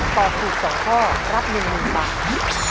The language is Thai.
ตอบถูก๒ข้อรับ๑๐๐๐บาท